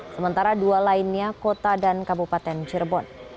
sementara dua lainnya kota dan kabupaten cirebon